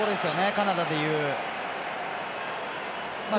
カナダでいう。